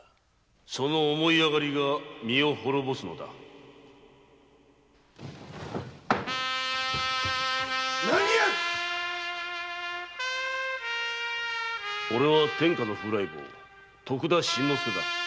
・その思い上がりが身を滅ぼすのだ何ヤツおれは天下の風来坊徳田新之助だ。